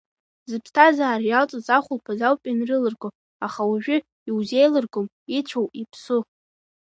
Зыԥсҭазаара иалҵыз ахәылԥаз ауп ианрылырго, аха уажәазы иузеилыргом ицәоу, иԥсу…